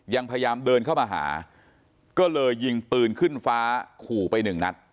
ยังพยายามเดินเข้ามาหาก็เลยยิงปืนขึ้นฟ้าขู่ไปหนึ่งนัด